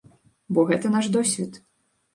Бо гэта наш досвед.